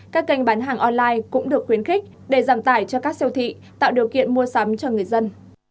các kênh bán hàng online cũng được khuyến khích để giảm tải cho các siêu thị tạo điều kiện mua sắm cho người dân